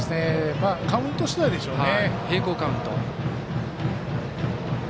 カウント次第でしょうね。